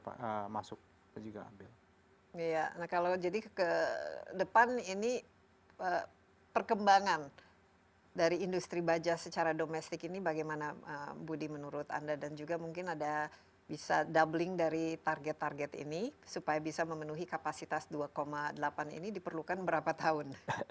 nah kalau jadi ke depan ini perkembangan dari industri baja secara domestic ini bagaimana budi menurut anda dan juga mungkin ada bisa doubling dari target target ini supaya bisa memenuhi kapasitas dua delapan ini diperlukan berapa tahun